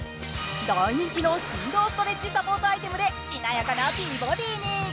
大人気の振動ストレッチサポートアイテムでしなやかな美ボディーに。